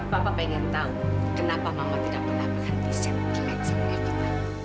papa pengen tahu kenapa mama tidak pernah berhenti sentimen sama evita